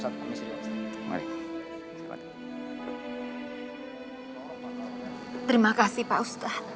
terima kasih pak ustadz